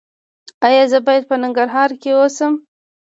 ایا زه باید په ننګرهار کې اوسم؟